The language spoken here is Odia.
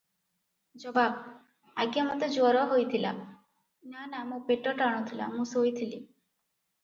ଜବାବ - ଆଜ୍ଞା ମୋତେ ଜ୍ୱର ହୋଇଥିଲା - ନା ନା ମୋ ପେଟ ଟାଣୁ ଥିଲା, ମୁଁ ଶୋଇଥିଲି ।